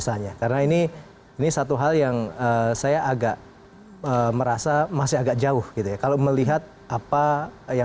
pemerintah the very mistake bolehanted tieder yang menyebutnya